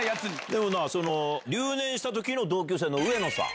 でもな留年した時の同級生の上野さん。